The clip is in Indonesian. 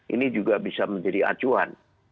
ini juga bisa menjadi acuan